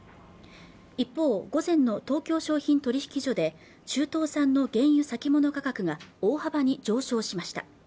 一方午前の東京商品取引所で中東産の原油先物価格が大幅に上昇しました